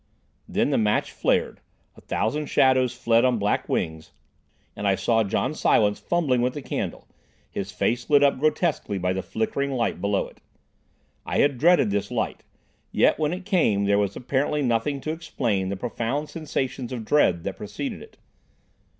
Then the match flared, a thousand shadows fled on black wings, and I saw John Silence fumbling with the candle, his face lit up grotesquely by the flickering light below it. I had dreaded this light, yet when it came there was apparently nothing to explain the profound sensations of dread that preceded it.